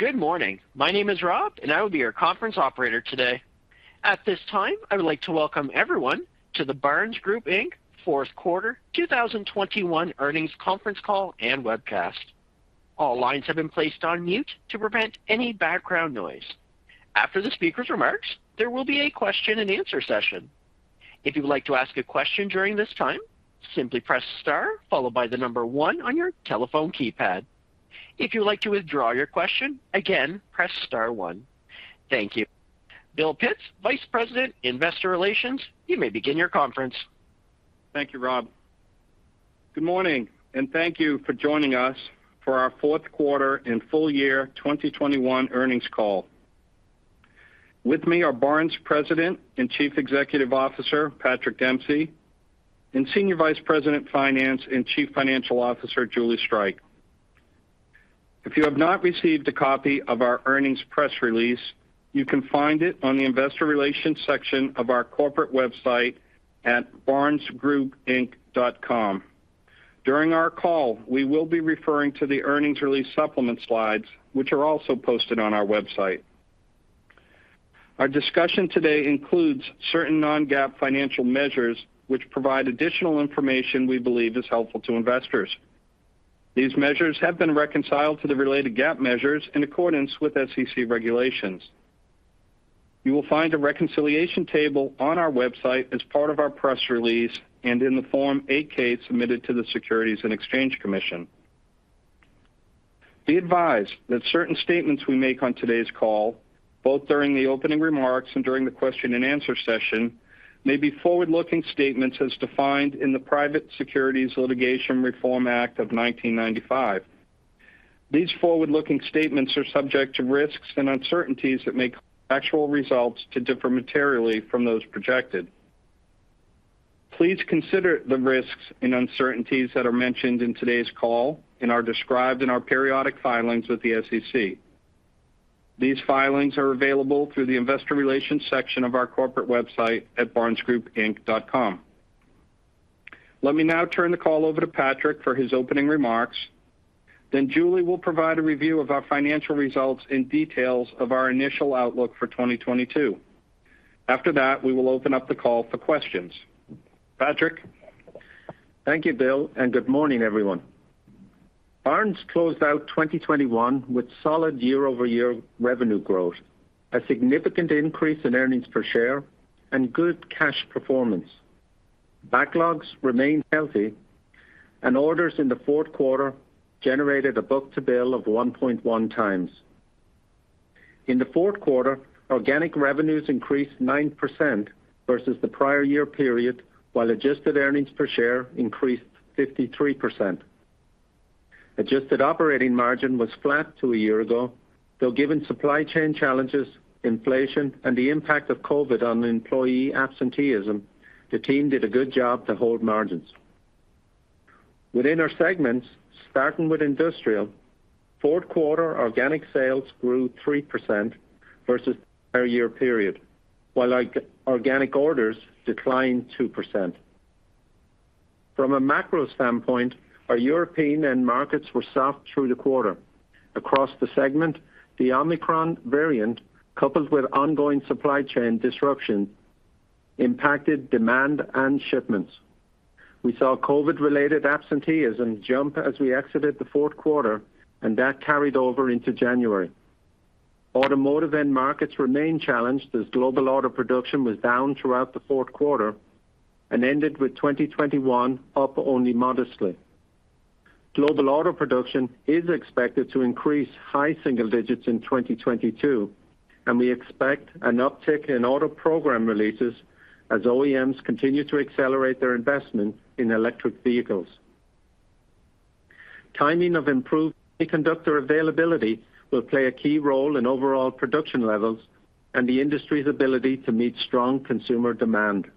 Good morning. My name is Rob, and I will be your conference operator today. At this time, I would like to welcome everyone to the Barnes Group Inc. fourth quarter 2021 earnings conference call and webcast. All lines have been placed on mute to prevent any background noise. After the speaker's remarks, there will be a question-and-answer session. If you would like to ask a question during this time, simply press star followed by the number one on your telephone keypad. If you would like to withdraw your question, again, press star one. Thank you. Bill Pitts, Vice President, Investor Relations, you may begin your conference. Thank you, Rob. Good morning, and thank you for joining us for our fourth quarter and full year 2021 earnings call. With me are Barnes President and Chief Executive Officer, Patrick Dempsey, and Senior Vice President, Finance and Chief Financial Officer, Julie Streich. If you have not received a copy of our earnings press release, you can find it on the investor relations section of our corporate website at barnesgroupinc.com. During our call, we will be referring to the earnings release supplement slides, which are also posted on our website. Our discussion today includes certain non-GAAP financial measures which provide additional information we believe is helpful to investors. These measures have been reconciled to the related GAAP measures in accordance with SEC regulations. You will find a reconciliation table on our website as part of our press release and in the Form 8-K submitted to the Securities and Exchange Commission. Be advised that certain statements we make on today's call, both during the opening remarks and during the question-and-answer session, may be forward-looking statements as defined in the Private Securities Litigation Reform Act of 1995. These forward-looking statements are subject to risks and uncertainties that make actual results to differ materially from those projected. Please consider the risks and uncertainties that are mentioned in today's call and are described in our periodic filings with the SEC. These filings are available through the investor relations section of our corporate website at barnesgroupinc.com. Let me now turn the call over to Patrick for his opening remarks. Julie will provide a review of our financial results and details of our initial outlook for 2022. After that, we will open up the call for questions. Patrick. Thank you, Bill, and good morning, everyone. Barnes closed out 2021 with solid year-over-year revenue growth, a significant increase in earnings per share, and good cash performance. Backlogs remain healthy, and orders in the fourth quarter generated a book-to-bill of 1.1x. In the fourth quarter, organic revenues increased 9% versus the prior year period, while adjusted earnings per share increased 53%. Adjusted operating margin was flat to a year ago, though given supply chain challenges, inflation, and the impact of COVID on employee absenteeism, the team did a good job to hold margins. Within our segments, starting with Industrial, fourth quarter organic sales grew 3% versus prior year period, while organic orders declined 2%. From a macro standpoint, our European end markets were soft through the quarter. Across the segment, the Omicron variant, coupled with ongoing supply chain disruption, impacted demand and shipments. We saw COVID-related absenteeism jump as we exited the fourth quarter, and that carried over into January. Automotive end markets remain challenged as global auto production was down throughout the fourth quarter and ended with 2021 up only modestly. Global auto production is expected to increase high single digits in 2022, and we expect an uptick in auto program releases as OEMs continue to accelerate their investment in electric vehicles. Timing of improved semiconductor availability will play a key role in overall production levels and the industry's ability to meet strong consumer demand.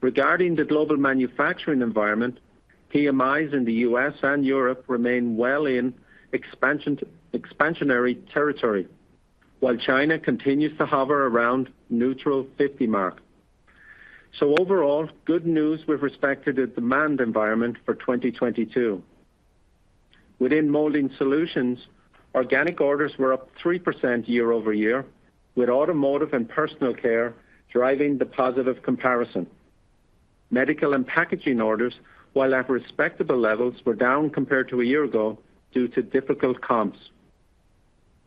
Regarding the global manufacturing environment, PMIs in the U.S. and Europe remain well in expansionary territory, while China continues to hover around neutral 50 mark. Overall, good news with respect to the demand environment for 2022. Within Molding Solutions, organic orders were up 3% year-over-year, with automotive and personal care driving the positive comparison. Medical and packaging orders, while at respectable levels, were down compared to a year ago due to difficult comps.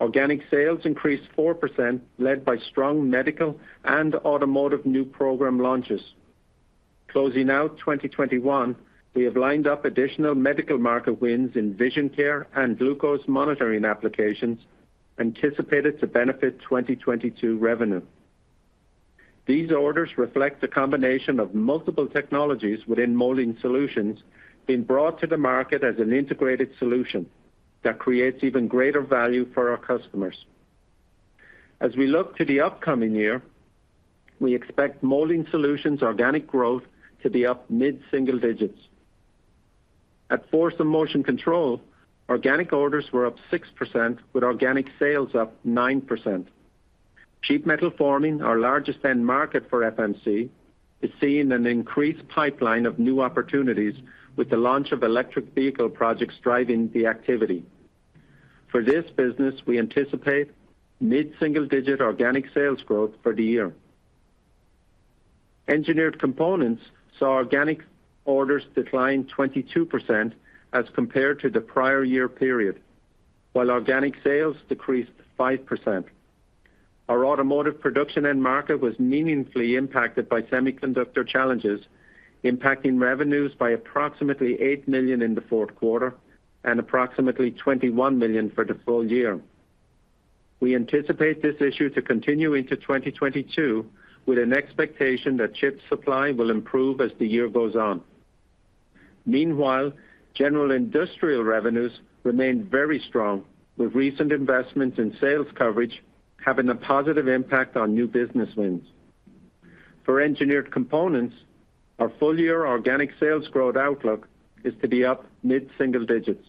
Organic sales increased 4%, led by strong medical and automotive new program launches. Closing out 2021, we have lined up additional medical market wins in vision care and glucose monitoring applications anticipated to benefit 2022 revenue. These orders reflect a combination of multiple technologies within Molding Solutions being brought to the market as an integrated solution that creates even greater value for our customers. As we look to the upcoming year, we expect Molding Solutions organic growth to be up mid-single digits. At Force & Motion Control, organic orders were up 6%, with organic sales up 9%. Sheet metal forming, our largest end market for FMC, is seeing an increased pipeline of new opportunities with the launch of electric vehicle projects driving the activity. For this business, we anticipate mid-single-digit organic sales growth for the year. Engineered Components saw organic orders decline 22% as compared to the prior year period, while organic sales decreased 5%. Our automotive production end market was meaningfully impacted by semiconductor challenges, impacting revenues by approximately $8 million in the fourth quarter and approximately $21 million for the full year. We anticipate this issue to continue into 2022 with an expectation that chip supply will improve as the year goes on. Meanwhile, general industrial revenues remained very strong, with recent investments in sales coverage having a positive impact on new business wins. For Engineered Components, our full year organic sales growth outlook is to be up mid-single digits.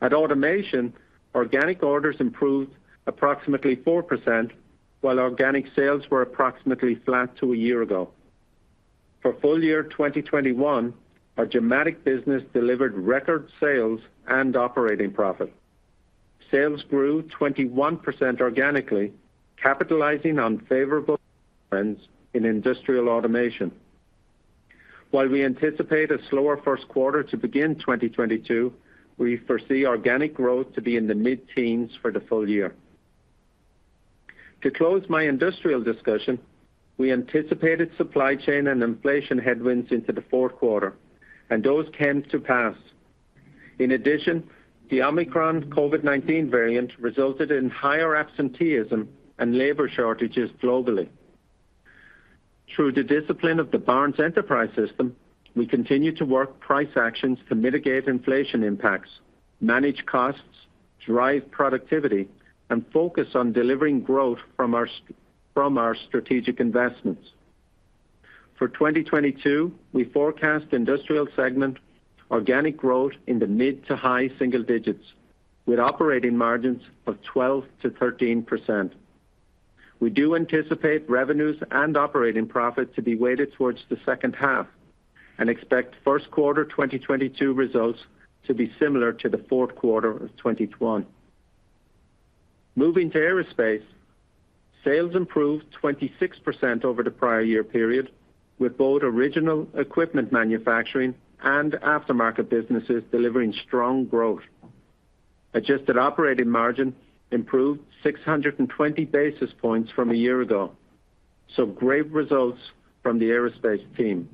At Automation, organic orders improved approximately 4%, while organic sales were approximately flat to a year ago. For full year 2021, our Gimatic business delivered record sales and operating profit. Sales grew 21% organically, capitalizing on favorable trends in industrial automation. While we anticipate a slower first quarter to begin 2022, we foresee organic growth to be in the mid-teens for the full year. To close my Industrial discussion, we anticipated supply chain and inflation headwinds into the fourth quarter, and those came to pass. In addition, the Omicron COVID-19 variant resulted in higher absenteeism and labor shortages globally. Through the discipline of the Barnes Enterprise System, we continue to work price actions to mitigate inflation impacts, manage costs, drive productivity, and focus on delivering growth from our strategic investments. For 2022, we forecast Industrial segment organic growth in the mid- to high-single digits with operating margins of 12%-13%. We do anticipate revenues and operating profit to be weighted towards the second half and expect first quarter 2022 results to be similar to the fourth quarter of 2021. Moving to Aerospace. Sales improved 26% over the prior year period, with both original equipment manufacturing and aftermarket businesses delivering strong growth. Adjusted operating margin improved 620 basis points from a year ago. Great results from the Aerospace team.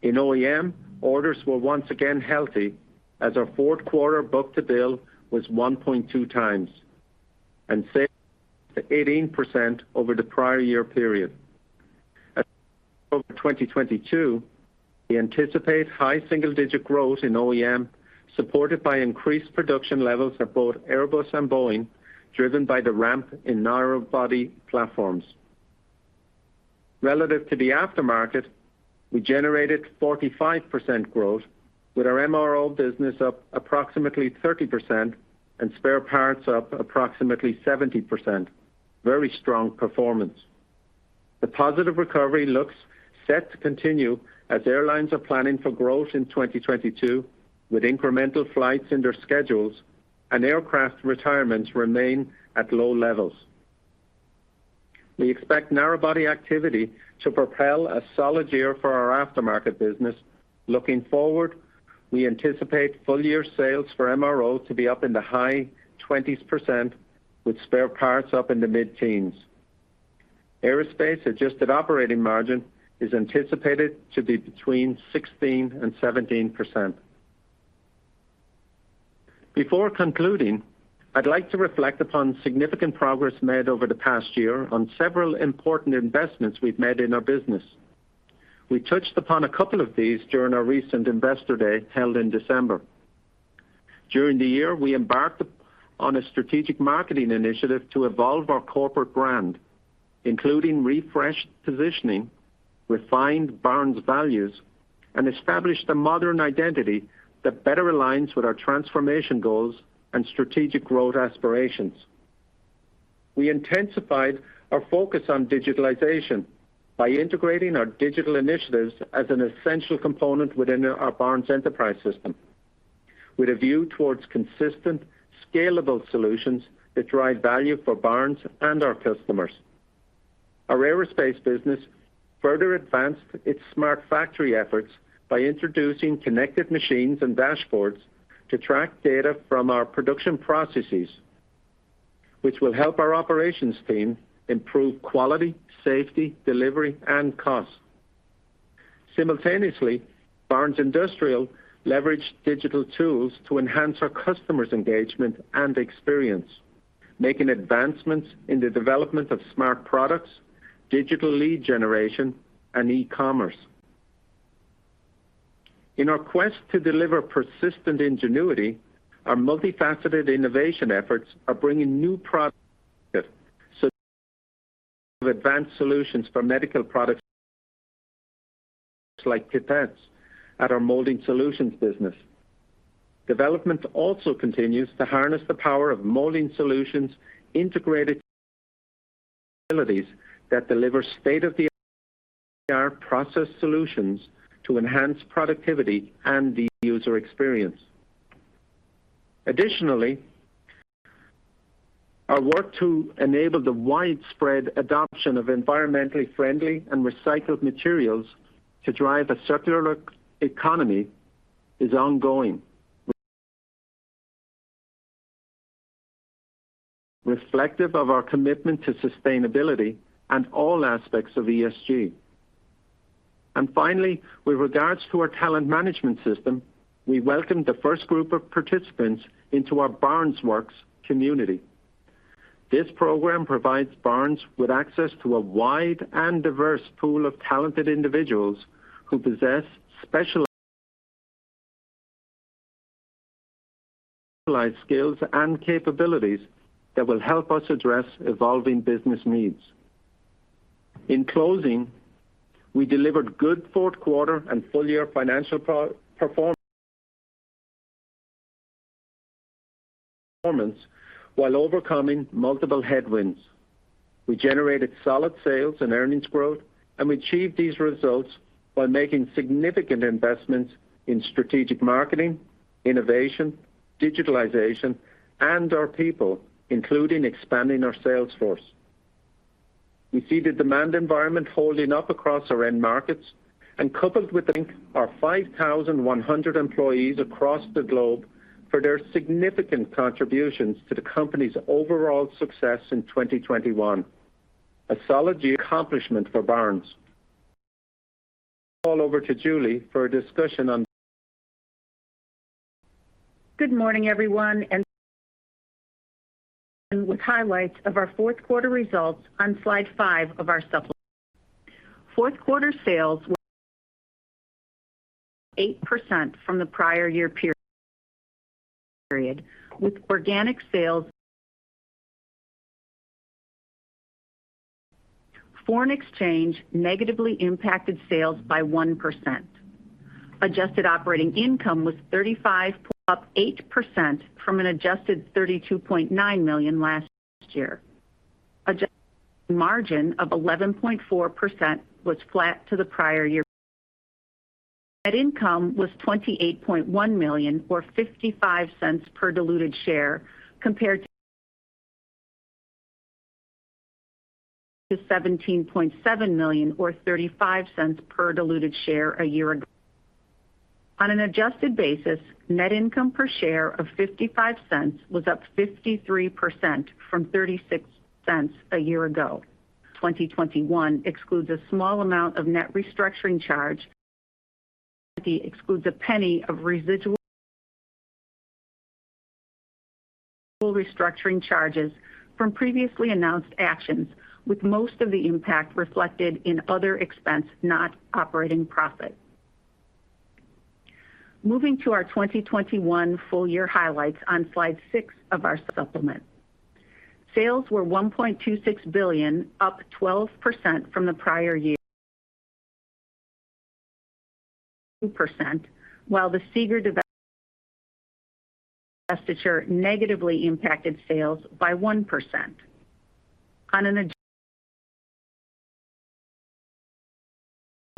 In OEM, orders were once again healthy as our fourth quarter book-to-bill was 1.2x and sales 18% over the prior year period. As of 2022, we anticipate high single-digit growth in OEM, supported by increased production levels at both Airbus and Boeing, driven by the ramp in narrow body platforms. Relative to the aftermarket, we generated 45% growth with our MRO business up approximately 30% and spare parts up approximately 70%. Very strong performance. The positive recovery looks set to continue as airlines are planning for growth in 2022, with incremental flights in their schedules and aircraft retirements remain at low levels. We expect narrow body activity to propel a solid year for our aftermarket business. Looking forward, we anticipate full year sales for MRO to be up in the high 20% with spare parts up in the mid-teens. Aerospace adjusted operating margin is anticipated to be between 16% and 17%. Before concluding, I'd like to reflect upon significant progress made over the past year on several important investments we've made in our business. We touched upon a couple of these during our recent Investor Day held in December. During the year, we embarked on a strategic marketing initiative to evolve our corporate brand, including refreshed positioning, refined Barnes values, and establish the modern identity that better aligns with our transformation goals and strategic growth aspirations. We intensified our focus on digitalization by integrating our digital initiatives as an essential component within our Barnes Enterprise System with a view towards consistent, scalable solutions that drive value for Barnes and our customers. Our Aerospace business further advanced its smart factory efforts by introducing connected machines and dashboards to track data from our production processes, which will help our operations team improve quality, safety, delivery, and cost. Simultaneously, Barnes Industrial leveraged digital tools to enhance our customers' engagement and experience, making advancements in the development of smart products, digital lead generation, and e-commerce. In our quest to deliver persistent ingenuity, our multifaceted innovation efforts are bringing new products and advanced solutions for medical products like Gimatic at our Molding Solutions business. Development also continues to harness the power of Molding Solutions integrated capabilities that deliver state-of-the-art process solutions to enhance productivity and the user experience. Additionally, our work to enable the widespread adoption of environmentally friendly and recycled materials to drive a circular economy is ongoing. Reflective of our commitment to sustainability and all aspects of ESG. Finally, with regards to our talent management system, we welcome the first group of participants into our BarnesWORX community. This program provides Barnes with access to a wide and diverse pool of talented individuals who possess specialized skills and capabilities that will help us address evolving business needs. In closing, we delivered good fourth quarter and full-year financial performance while overcoming multiple headwinds. We generated solid sales and earnings growth, and we achieved these results by making significant investments in strategic marketing, innovation, digitalization, and our people, including expanding our sales force. We see the demand environment holding up across our end markets and coupled with our 5,100 employees across the globe for their significant contributions to the company's overall success in 2021. A solid accomplishment for Barnes. Call over to Julie for a discussion on- Good morning, everyone, and with highlights of our fourth quarter results on Slide 5 of our supplement. Fourth quarter sales were up 8% from the prior year period, with organic sales. Foreign exchange negatively impacted sales by 1%. Adjusted operating income was $35 million up 8% from an adjusted $32.9 million last year. Adjusted margin of 11.4% was flat to the prior year. Net income was $28.1 million or $0.55 per diluted share compared to $17.7 million or $0.35 per diluted share a year ago. On an adjusted basis, net income per share of $0.55 was up 53% from $0.36 a year ago. 2021 excludes a small amount of net restructuring charge. Excludes a penny of residual restructuring charges from previously announced actions, with most of the impact reflected in other expense, not operating profit. Moving to our 2021 full year highlights on Slide 6 of our supplement. Sales were $1.26 billion, up 12% from the prior year. While the Seeger divestiture negatively impacted sales by 1%.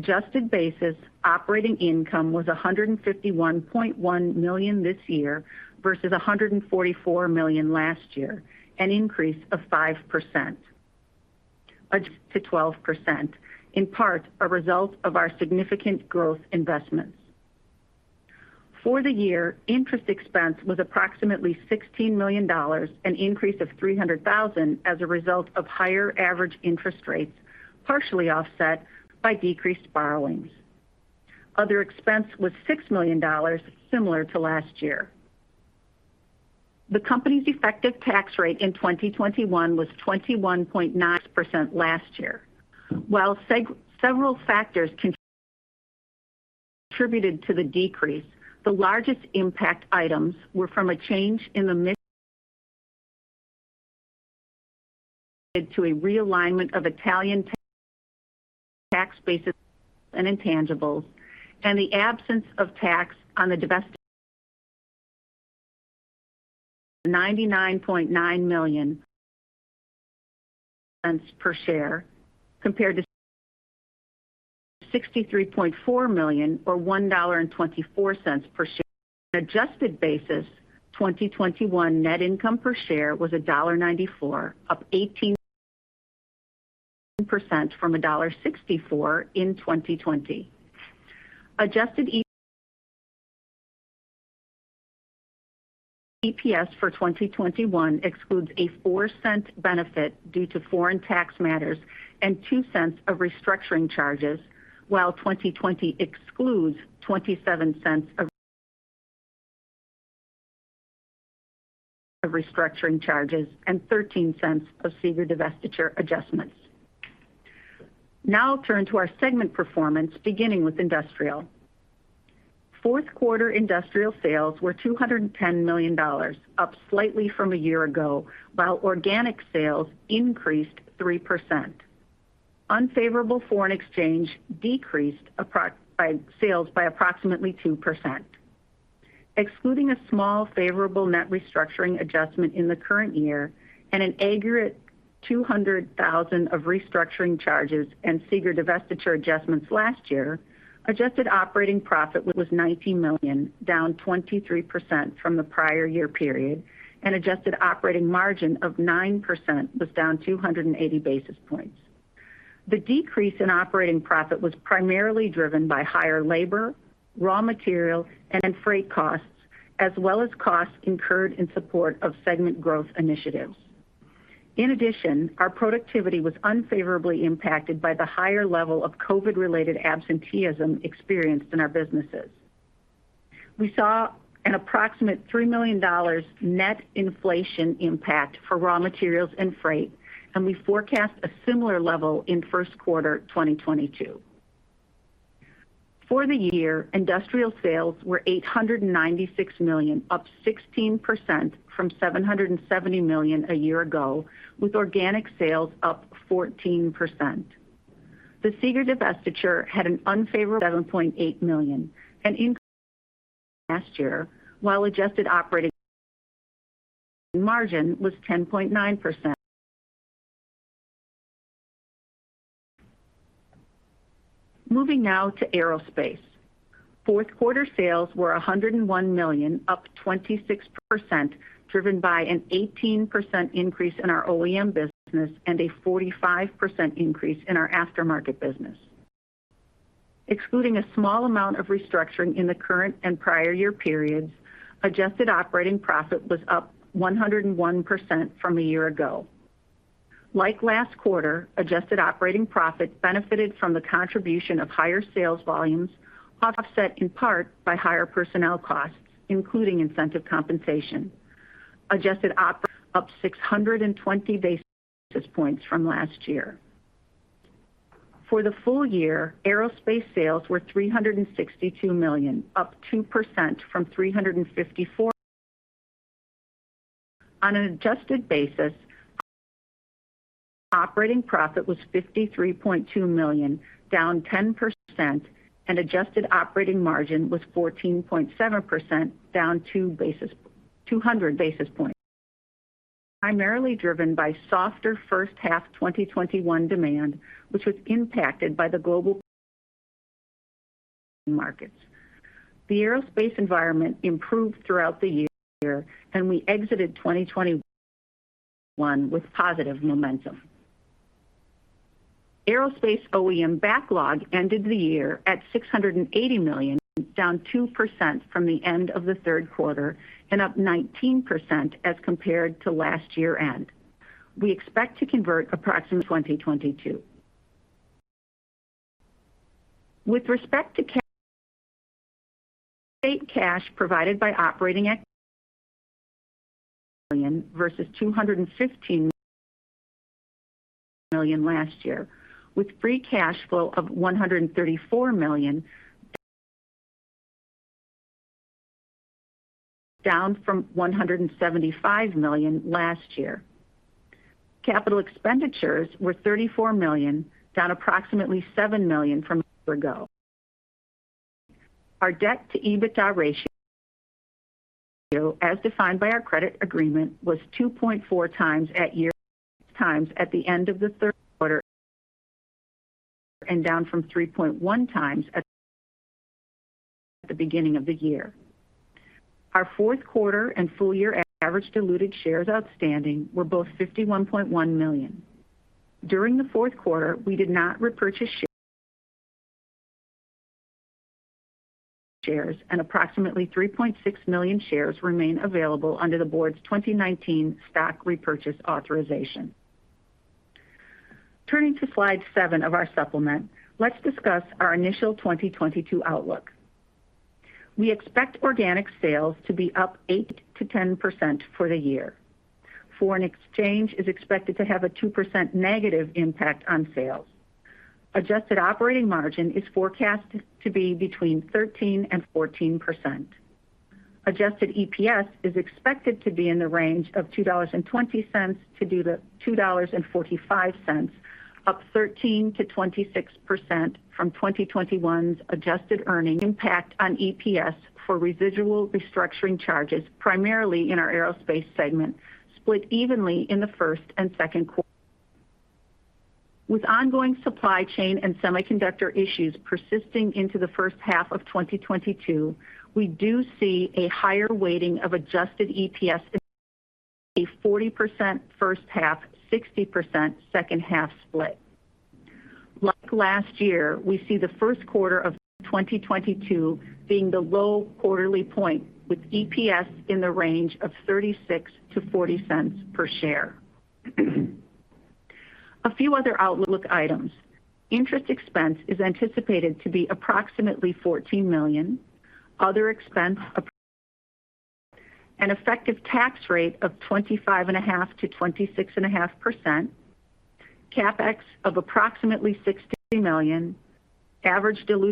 On an adjusted basis, operating income was $151.1 million this year versus $144 million last year, an increase of 5%. Adjusted to 12%, in part a result of our significant growth investments. For the year, interest expense was approximately $16 million, an increase of $300,000 as a result of higher average interest rates, partially offset by decreased borrowings. Other expense was $6 million, similar to last year. The company's effective tax rate in 2021 was 21.9% last year. While several factors contributed to the decrease, the largest impact items were from a change in the mix related to a realignment of Italian tax basis and intangibles, and the absence of tax on the divestiture. $99.9 million per share compared to $63.4 million or $1.24 per share. Adjusted basis, 2021 net income per share was $1.94, up 18% from $1.64 in 2020. Adjusted EPS for 2021 excludes a $0.04 benefit due to foreign tax matters and $0.02 of restructuring charges, while 2020 excludes $0.27 of restructuring charges and $0.13 of Seeger divestiture adjustments. Now I'll turn to our segment performance, beginning with Industrial. Fourth quarter Industrial sales were $210 million, up slightly from a year ago, while organic sales increased 3%. Unfavorable foreign exchange decreased sales by approximately 2%. Excluding a small favorable net restructuring adjustment in the current year and an aggregate $200,000 of restructuring charges and Seeger divestiture adjustments last year, adjusted operating profit was $19 million, down 23% from the prior year period, and adjusted operating margin of 9% was down 280 basis points. The decrease in operating profit was primarily driven by higher labor, raw material, and freight costs, as well as costs incurred in support of segment growth initiatives. In addition, our productivity was unfavorably impacted by the higher level of COVID-related absenteeism experienced in our businesses. We saw an approximate $3 million net inflation impact for raw materials and freight, and we forecast a similar level in first quarter 2022. For the year, Industrial sales were $896 million, up 16% from $770 million a year ago, with organic sales up 14%. The Seeger divestiture had an unfavorable $7.8 million, an increase last year, while adjusted operating margin was 10.9%. Moving now to Aerospace. Fourth quarter sales were $101 million, up 26%, driven by an 18% increase in our OEM business and a 45% increase in our aftermarket business. Excluding a small amount of restructuring in the current and prior year periods, adjusted operating profit was up 101% from a year ago. Like last quarter, adjusted operating profit benefited from the contribution of higher sales volumes, offset in part by higher personnel costs, including incentive compensation. Adjusted operating margin up 620 basis points from last year. For the full year, Aerospace sales were $362 million, up 2% from $354 million. On an adjusted basis, operating profit was $53.2 million, down 10%, and adjusted operating margin was 14.7%, down 200 basis points. Primarily driven by softer first half 2021 demand, which was impacted by the global markets. The Aerospace environment improved throughout the year, and we exited 2021 with positive momentum. Aerospace OEM backlog ended the year at $680 million, down 2% from the end of the third quarter and up 19% as compared to last year-end. We expect to convert approximately 2022. With respect to cash provided by operating activities versus $215 million last year, with free cash flow of $134 million down from $175 million last year. Capital expenditures were $34 million, down approximately $7 million from a year ago. Our debt-to-EBITDA ratio, as defined by our credit agreement, was 2.4x at year-end, 2.6x at the end of the third quarter and down from 3.1x at the beginning of the year. Our fourth quarter and full year average diluted shares outstanding were both $51.1 million. During the fourth quarter, we did not repurchase shares and approximately $3.6 million shares remain available under the board's 2019 stock repurchase authorization. Turning to Slide 7 of our supplement, let's discuss our initial 2022 outlook. We expect organic sales to be up 8%-10% for the year. Foreign exchange is expected to have a 2%- impact on sales. Adjusted operating margin is forecast to be between 13% and 14%. Adjusted EPS is expected to be in the range of $2.20-$2.45, up 13%-26% from 2021's adjusted earnings impact on EPS for residual restructuring charges, primarily in our Aerospace segment, split evenly in the first and second quarter. With ongoing supply chain and semiconductor issues persisting into the first half of 2022, we do see a higher weighting of adjusted EPS in a 40% first half, 60% second half split. Like last year, we see the first quarter of 2022 being the low quarterly point with EPS in the range of $0.36-$0.40 per share. A few other outlook items. Interest expense is anticipated to be approximately $14 million. Other expense. An effective tax rate of 25.5%-26.5%. CapEx of approximately $60 million. Average dilution,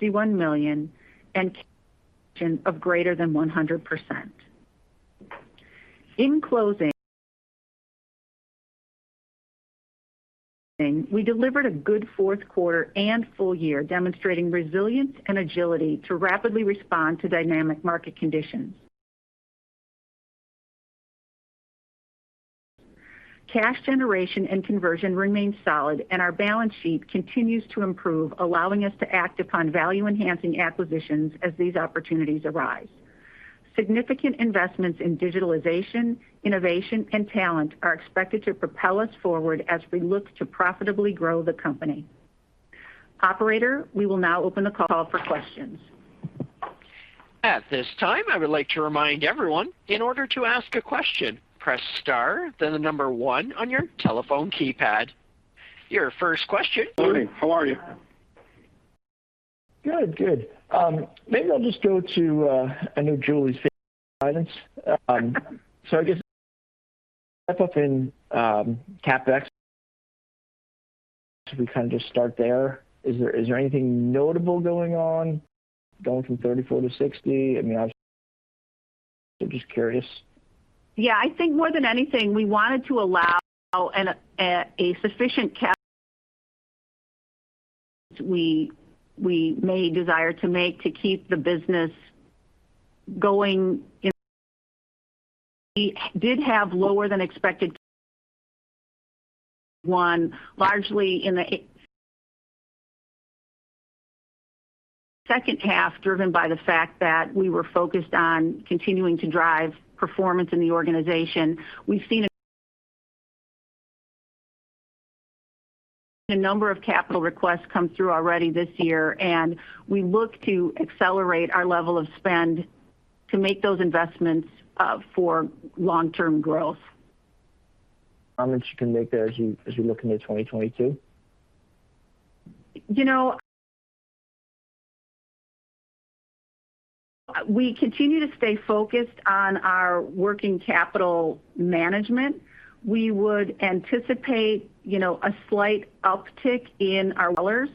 $51 million. Conversion of greater than 100%. In closing, we delivered a good fourth quarter and full year demonstrating resilience and agility to rapidly respond to dynamic market conditions. Cash generation and conversion remains solid and our balance sheet continues to improve, allowing us to act upon value enhancing acquisitions as these opportunities arise. Significant investments in digitalization, innovation and talent are expected to propel us forward as we look to profitably grow the company. Operator, we will now open the call for questions. At this time, I would like to remind everyone, in order to ask a question, press star then the number one on your telephone keypad. Your first question. Good morning. How are you? Good, good. Maybe I'll just go to I know Julie's guidance. I guess step up in CapEx. We kind of just start there. Is there anything notable going on from $34 to $60? I mean, obviously, just curious. Yeah. I think more than anything we wanted to allow a sufficient CapEx we may desire to make to keep the business going, and we did have lower than expected one largely in the second half driven by the fact that we were focused on continuing to drive performance in the organization. We've seen a number of capital requests come through already this year, and we look to accelerate our level of spend to make those investments for long-term growth. How much you can make there as you look into 2022? You know. We continue to stay focused on our working capital management. We would anticipate, you know, a slight uptick in our dollars,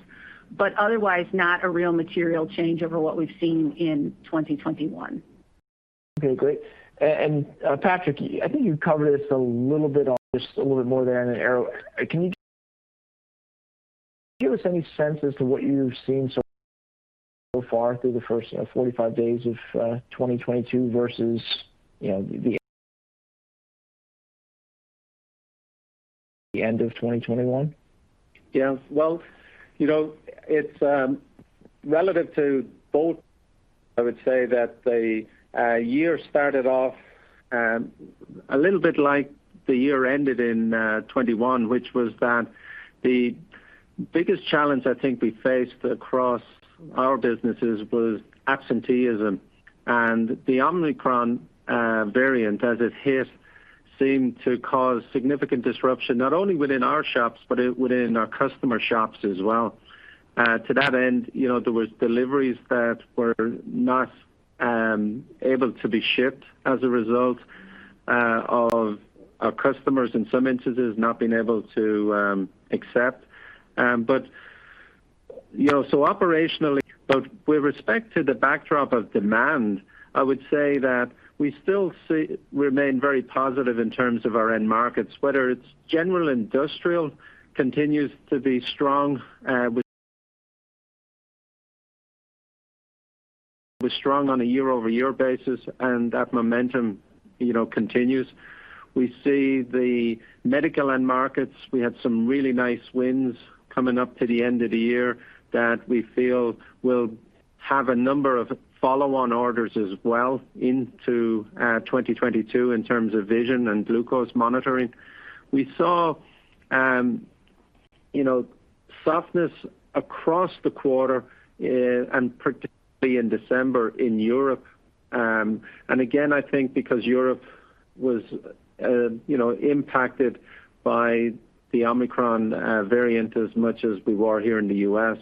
but otherwise not a real material change over what we've seen in 2021. Okay, great. Patrick, I think you covered this a little bit or just a little bit more there on Aero. Can you give us any sense as to what you've seen so far through the first, you know, 45 days of 2022 versus, you know, the end of 2021? Yeah. Well, you know, it's relative to both I would say that the year started off a little bit like the year ended in 2021, which was that the biggest challenge I think we faced across our businesses was absenteeism. The Omicron variant as it hit seemed to cause significant disruption not only within our shops but within our customer shops as well. To that end, you know, there were deliveries that were not able to be shipped as a result of our customers in some instances not being able to accept. With respect to the backdrop of demand, I would say that we still remain very positive in terms of our end markets, whether it's general industrial continues to be strong on a year-over-year basis, and that momentum, you know, continues. We see the medical end markets. We had some really nice wins coming up to the end of the year that we feel will have a number of follow-on orders as well into 2022 in terms of vision and glucose monitoring. We saw, you know, softness across the quarter and particularly in December in Europe. Again, I think because Europe was, you know, impacted by the Omicron variant as much as we were here in the U.S.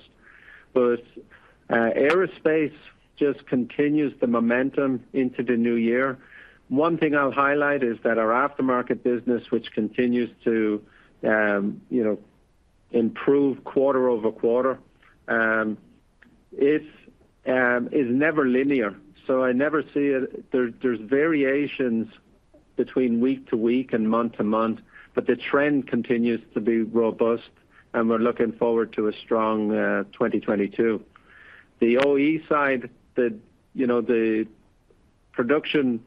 Aerospace just continues the momentum into the new year. One thing I'll highlight is that our aftermarket business which continues to, you know, improve quarter-over-quarter, is never linear. So there's variations between week-to-week and month-to-month, but the trend continues to be robust and we're looking forward to a strong 2022. The OE side, you know, the production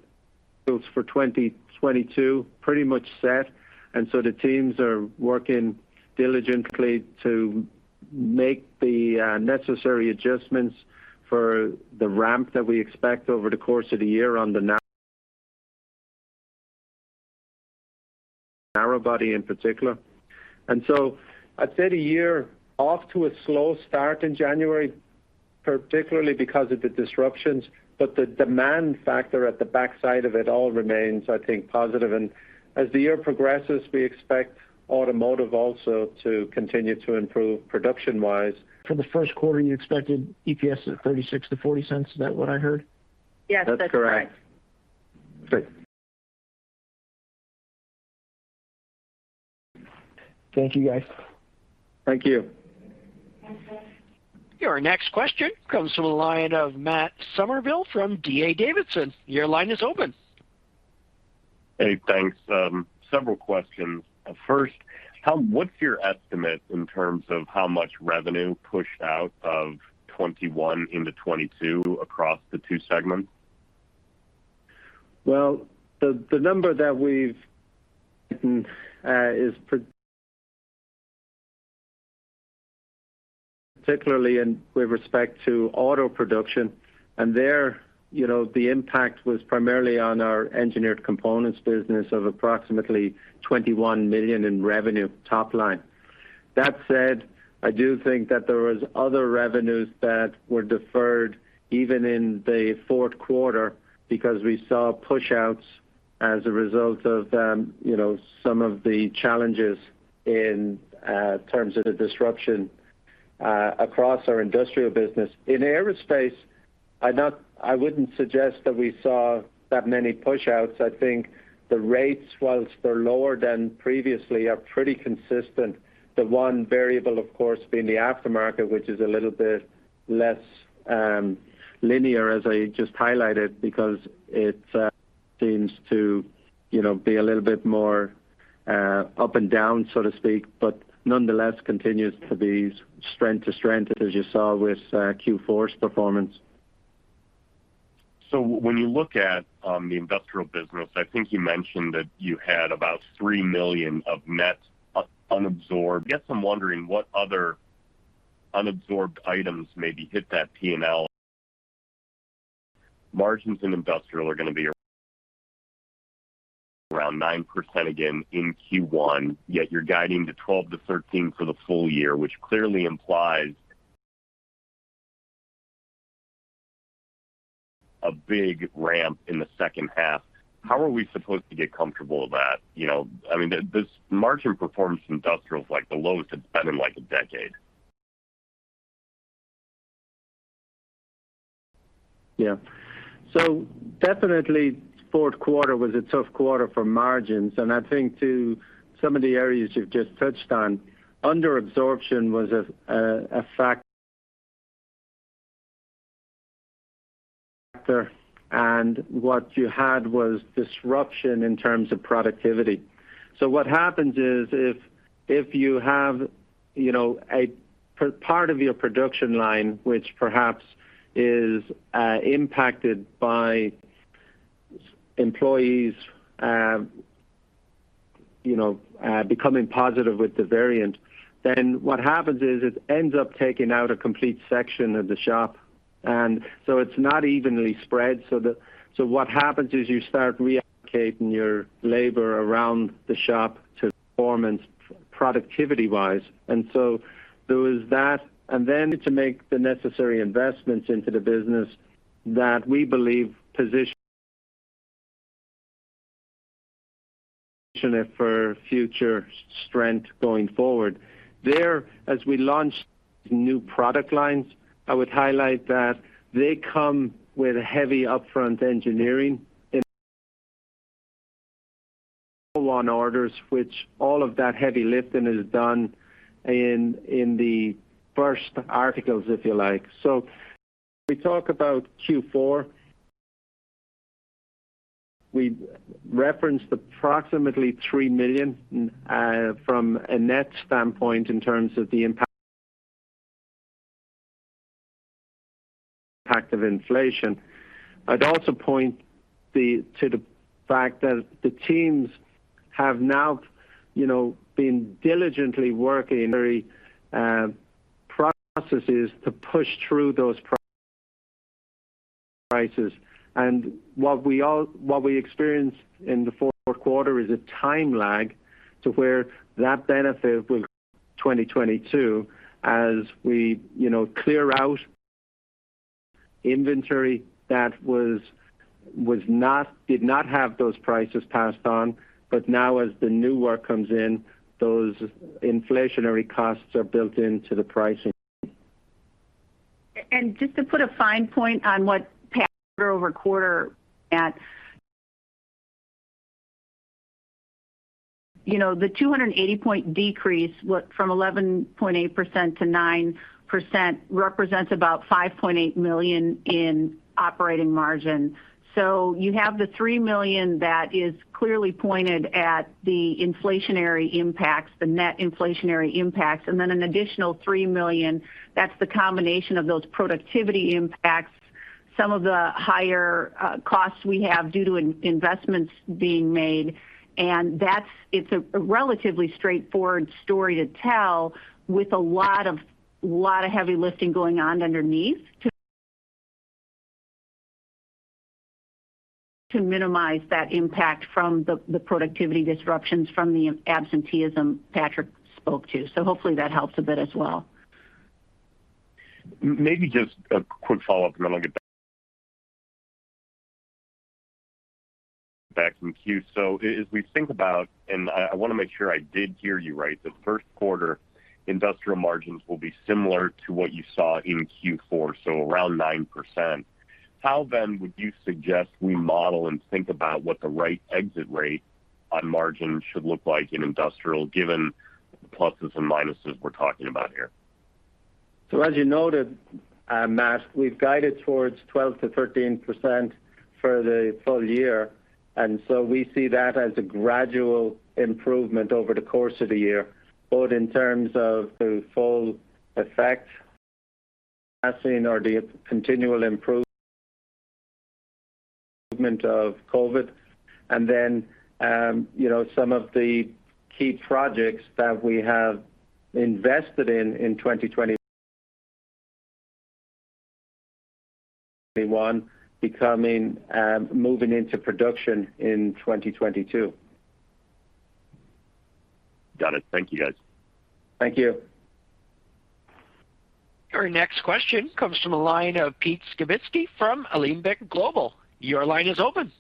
for 2022 pretty much set, and so the teams are working diligently to make the necessary adjustments for the ramp that we expect over the course of the year on the narrow body in particular. I'd say the year off to a slow start in January, particularly because of the disruptions, but the demand factor at the backside of it all remains I think positive. As the year progresses, we expect automotive also to continue to improve production-wise. For the first quarter, you expected EPS at $0.36-$0.40. Is that what I heard? Yes, that's right. That's correct. Great. Thank you, guys. Thank you. Your next question comes from the line of Matt Summerville from D.A. Davidson. Your line is open. Hey, thanks. Several questions. First, what's your estimate in terms of how much revenue pushed out of 2021 into 2022 across the two segments? Well, the number that we've is particularly in with respect to auto production. There, you know, the impact was primarily on our Engineered Components business of approximately $21 million in revenue top line. That said, I do think that there was other revenues that were deferred even in the fourth quarter because we saw pushouts as a result of you know, some of the challenges in terms of the disruption across our Industrial business. In Aerospace, I wouldn't suggest that we saw that many pushouts. I think the rates, while they're lower than previously, are pretty consistent. The one variable, of course, being the aftermarket, which is a little bit less linear as I just highlighted, because it seems to, you know, be a little bit more up and down, so to speak, but nonetheless continues to be strength to strength, as you saw with Q4's performance. When you look at the Industrial business, I think you mentioned that you had about $3 million of net unabsorbed. I guess I'm wondering what other unabsorbed items maybe hit that P&L. Margins in Industrial are gonna be around 9% again in Q1, yet you're guiding to 12%-13% for the full year, which clearly implies a big ramp in the second half. How are we supposed to get comfortable with that? You know, I mean, this margin performance in Industrial is like the lowest it's been in, like, a decade. Yeah. Definitely fourth quarter was a tough quarter for margins. I think to some of the areas you've just touched on, under absorption was a factor. What you had was disruption in terms of productivity. What happens is if you have, you know, a part of your production line, which perhaps is impacted by employees becoming positive with the variant, then what happens is it ends up taking out a complete section of the shop. It's not evenly spread. What happens is you start reallocating your labor around the shop to performance productivity-wise. There was that. Then to make the necessary investments into the business that we believe position it for future strength going forward. There, as we launched new product lines, I would highlight that they come with a heavy upfront engineering in orders, which all of that heavy lifting is done in the first articles, if you like. We talk about Q4. We referenced approximately $3 million from a net standpoint in terms of the impact of inflation. I'd also point to the fact that the teams have now, you know, been diligently working various processes to push through those prices. What we experienced in the fourth quarter is a time lag to where that benefit will 2022 as we, you know, clear out inventory that did not have those prices passed on. Now as the new work comes in, those inflationary costs are built into the pricing. Just to put a fine point on what Patrick spoke to over the quarter. You know, the 280-point decrease from 11.8% to 9% represents about $5.8 million in operating margin. You have the $3 million that is clearly pointed at the inflationary impacts, the net inflationary impacts, and then an additional $3 million. That's the combination of those productivity impacts, some of the higher costs we have due to investments being made. That's a relatively straightforward story to tell with a lot of heavy lifting going on underneath to minimize that impact from the productivity disruptions from the absenteeism Patrick spoke to. Hopefully that helps a bit as well. Maybe just a quick follow-up, and then I'll get back in the queue. As we think about, and I wanna make sure I did hear you right, the first quarter Industrial margins will be similar to what you saw in Q4, so around 9%. How then would you suggest we model and think about what the right exit rate on margin should look like in Industrial, given the pluses and minuses we're talking about here? As you noted, Matt, we've guided towards 12%-13% for the full year. We see that as a gradual improvement over the course of the year, both in terms of the full effect passing of the continual improvement of COVID. You know, some of the key projects that we have invested in in 2021 becoming moving into production in 2022. Got it. Thank you, guys. Thank you. Our next question comes from the line of Pete Skibitsky from Alembic Global. Your line is open.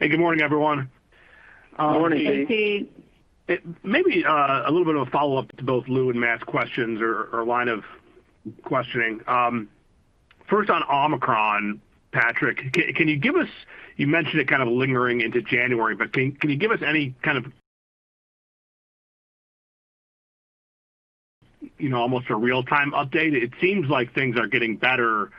Hey, good morning, everyone. Morning, Pete. Maybe a little bit of a follow-up to both Lou and Matt's questions or line of questioning. First on Omicron, Patrick, can you give us? You mentioned it kind of lingering into January, but can you give us any kind of, you know, almost a real-time update? It seems like things are getting better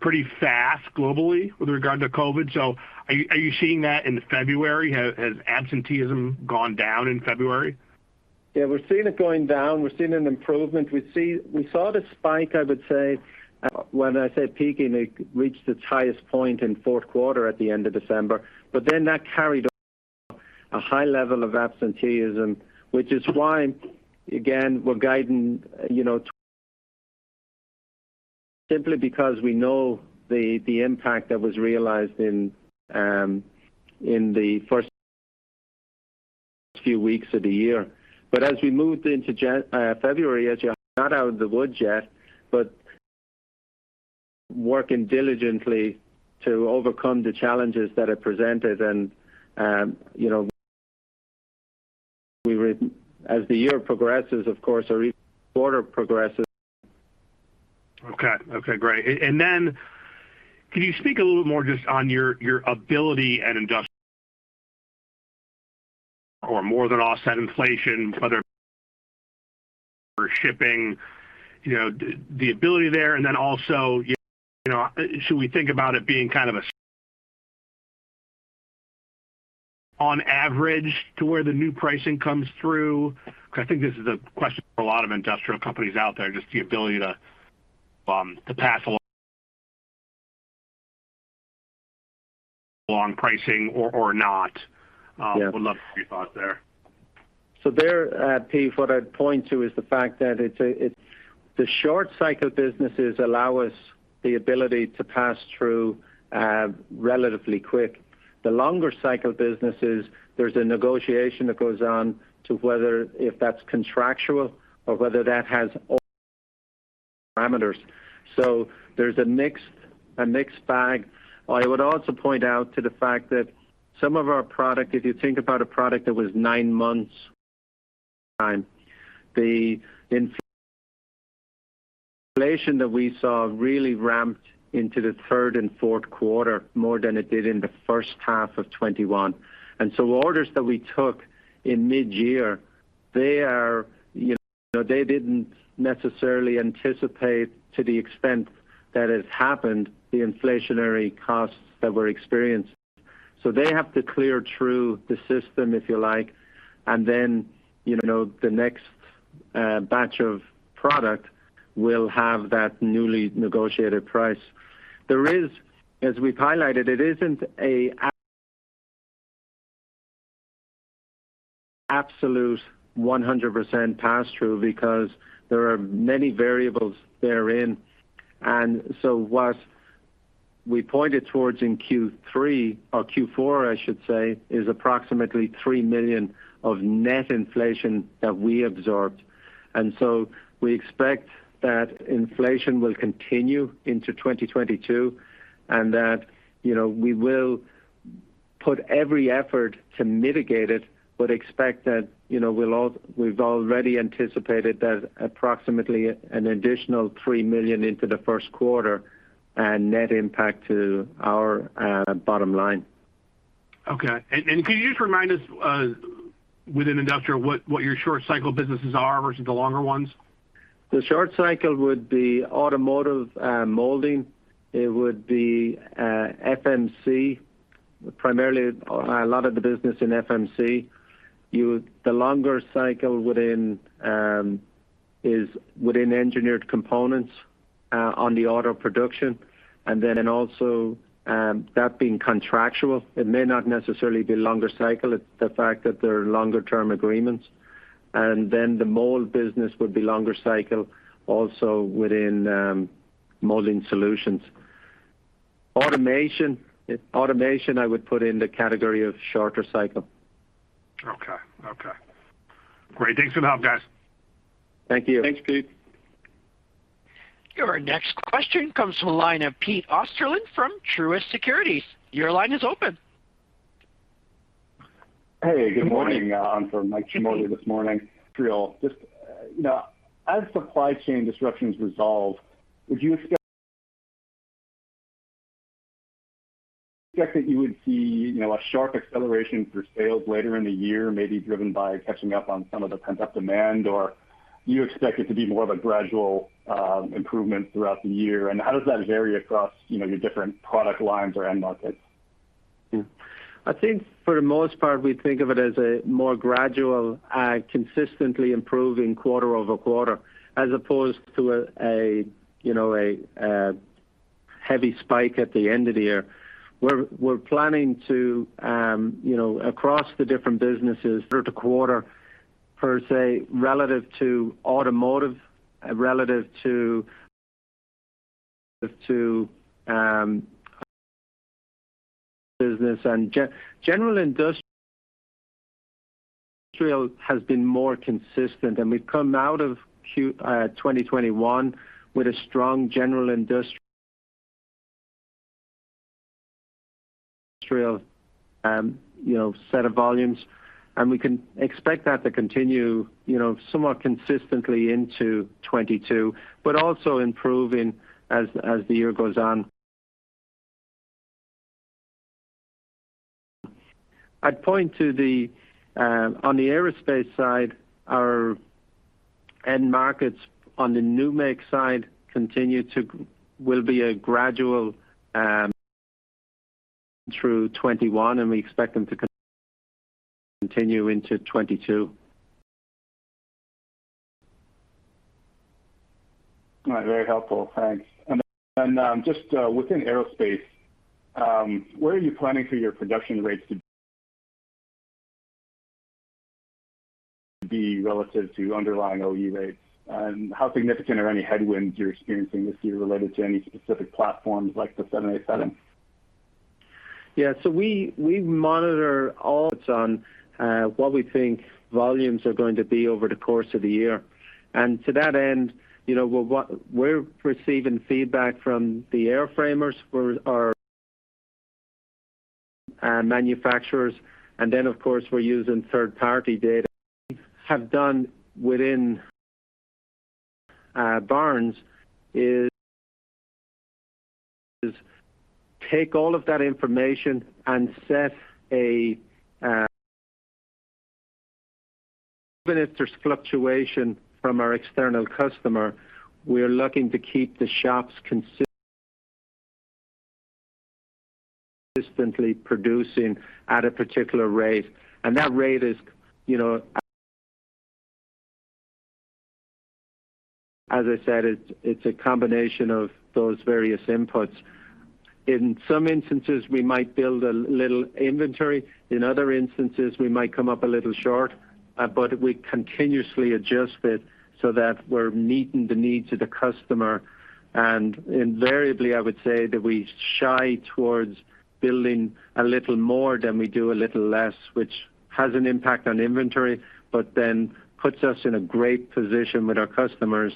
pretty fast globally with regard to COVID. So are you seeing that into February? Has absenteeism gone down in February? Yeah, we're seeing it going down. We're seeing an improvement. We saw the spike, I would say, when I said peaking, it reached its highest point in fourth quarter at the end of December. Then that carried a high level of absenteeism, which is why, again, we're guiding, you know, simply because we know the impact that was realized in the first few weeks of the year. As we moved into February, as you know, not out of the woods yet, but working diligently to overcome the challenges that are presented. You know, as the year progresses, of course, every quarter progresses. Okay, great. Can you speak a little more just on your ability at Industrial to more than offset inflation, whether shipping, you know, the ability there? Also, you know, should we think about it being kind of an average to where the new pricing comes through? Because I think this is a question for a lot of industrial companies out there, just the ability to pass along pricing or not. Yeah. Would love your thoughts there. There, Pete, what I'd point to is the fact that it's the short cycle businesses allow us the ability to pass through relatively quick. The longer cycle businesses, there's a negotiation that goes on to whether if that's contractual or whether that has parameters. There's a mixed bag. I would also point out to the fact that some of our product, if you think about a product that was nine months time, the inflation that we saw really ramped into the third and fourth quarter more than it did in the first half of 2021. Orders that we took in mid-year, they are, you know, they didn't necessarily anticipate to the extent that it happened, the inflationary costs that were experienced. They have to clear through the system, if you like. Then, you know, the next batch of product will have that newly negotiated price. There is, as we've highlighted, it isn't an absolute 100% pass-through because there are many variables therein. What we pointed towards in Q3 or Q4, I should say, is approximately $3 million of net inflation that we absorbed. We expect that inflation will continue into 2022, and that, you know, we will put every effort to mitigate it, but expect that, you know, we've already anticipated that approximately an additional $3 million into the first quarter and net impact to our bottom line. Okay. Can you just remind us within Industrial what your short cycle businesses are versus the longer ones? The short cycle would be automotive molding. It would be FMC. Primarily a lot of the business in FMC. The longer cycle within is within Engineered Components on the auto production, and also that being contractual, it may not necessarily be longer cycle. It's the fact that there are longer-term agreements. The mold business would be longer cycle also within Molding Solutions. Automation, I would put in the category of shorter cycle. Okay. Great. Thanks for the help, guys. Thank you. Thanks, Pete. Our next question comes from the line of Pete Osterlin from Truist Securities. Your line is open. Hey, good morning. I'm Mike Ciarmoli this morning. Just, you know, as supply chain disruptions resolve, would you expect that you would see, you know, a sharp acceleration for sales later in the year, maybe driven by catching up on some of the pent-up demand, or you expect it to be more of a gradual improvement throughout the year. How does that vary across, you know, your different product lines or end markets? I think for the most part, we think of it as a more gradual, consistently improving quarter over quarter, as opposed to a you know a heavy spike at the end of the year. We're planning to you know across the different businesses quarter to quarter per se, relative to automotive, relative to business and general industrial has been more consistent. We've come out of 2021 with a strong general industrial you know set of volumes. We can expect that to continue you know somewhat consistently into 2022, but also improving as the year goes on. I'd point to, on the Aerospace side, our end markets on the numeric side will be a gradual through 2021, and we expect them to continue into 2022. All right. Very helpful. Thanks. Just, within Aerospace, where are you planning for your production rates to be relative to underlying OE rates? How significant are any headwinds you're experiencing this year related to any specific platforms like the 787? Yeah. We monitor what we think volumes are going to be over the course of the year. To that end, you know, we're receiving feedback from the airframers for our manufacturers. Of course, we're using third-party data. What we have done within Barnes is take all of that information and set a particular rate even if there's fluctuation from our external customer. We're looking to keep the shops consistently producing at a particular rate. That rate is, you know, as I said, it's a combination of those various inputs. In some instances, we might build a little inventory. In other instances, we might come up a little short, but we continuously adjust it so that we're meeting the needs of the customer. Invariably, I would say that we shy towards building a little more than we do a little less, which has an impact on inventory, but then puts us in a great position with our customers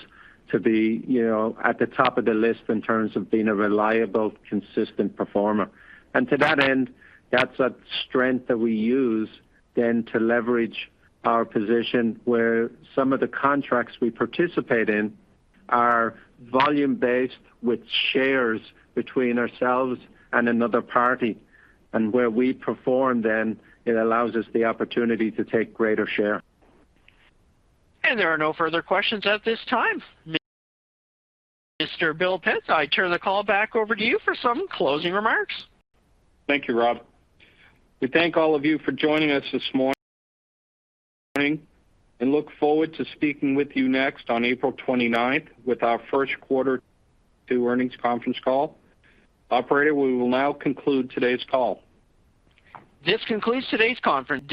to be, you know, at the top of the list in terms of being a reliable, consistent performer. To that end, that's a strength that we use then to leverage our position where some of the contracts we participate in are volume-based with shares between ourselves and another party. Where we perform then, it allows us the opportunity to take greater share. There are no further questions at this time. Mr. Bill Pitts, I turn the call back over to you for some closing remarks. Thank you, Rob. We thank all of you for joining us this morning, and look forward to speaking with you next on April 29 with our first quarter 2022 earnings conference call. Operator, we will now conclude today's call. This concludes today's conference.